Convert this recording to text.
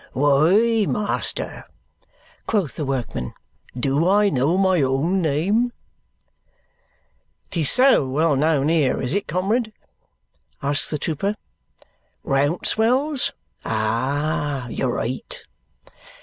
"Why, master," quoth the workman, "do I know my own name?" "'Tis so well known here, is it, comrade?" asks the trooper. "Rouncewell's? Ah! You're right."